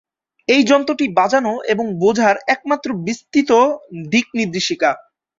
এই যন্ত্রটি বাজানো এবং বোঝার একমাত্র বিস্তৃত দিক নির্দেশিকা।